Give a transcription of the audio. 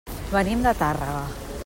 Venim de Tàrrega.